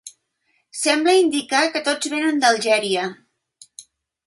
Sembla indicar que tots vénen d’Algèria.